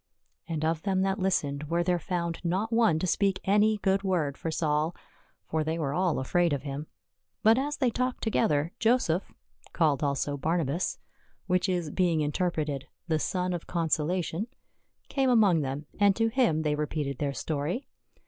And of them that listened was there found not one to speak any good word for Saul ; for they were all afraid of him. But as they talked together, Joseph, called also Barnabas, which is being interpreted, the Son of Consolation, came among them, and to him they repeated their story.